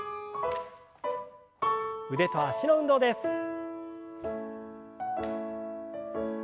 腕と脚の運動です。